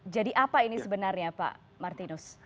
jadi apa ini sebenarnya pak martinus